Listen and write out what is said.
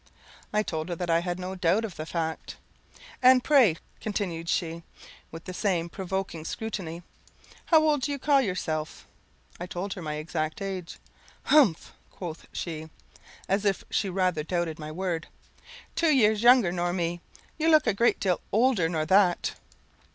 I told her that I had no doubt of the fact. "And pray," continued she, with the same provoking scrutiny, "how old do you call yourself?" I told her my exact age. "Humph!" quoth she, as if she rather doubted my word, "two years younger nor me! you look a great deal older nor that."